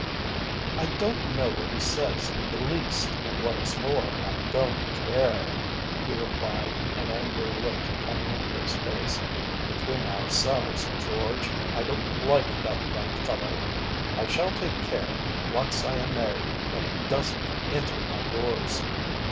"I don't know what he says in the least, and what is more I don't care," he replied, an angry look coming into his face. "Between ourselves, George, I don't like that young fellow. I shall take care, once I am married, that he doesn't enter my doors."